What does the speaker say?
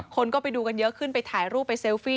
คนก็ไปดูกันเยอะขึ้นไปถ่ายรูปไปเซลฟี่